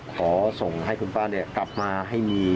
ขอส่งให้คุณป้ากลับมาให้มี